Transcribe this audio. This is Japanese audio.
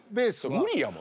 無理やもん。